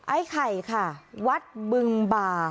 ไอ้ไข่ค่ะวัดบึงบ่า